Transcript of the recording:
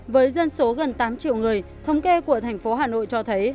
với dân số gần tám triệu người thống kê của thành phố hà nội cho thấy